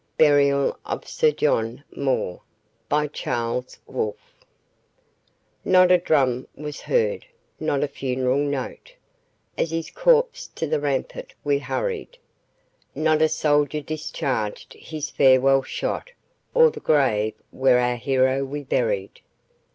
BURIAL OF SIR JOHN MOORE Not a drum was heard, not a funeral note, As his corpse to the rampart we hurried; Not a soldier discharged his farewell shot O'er the grave where our hero we buried.